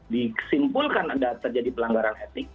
disimpulkan ada terjadi pelanggaran etik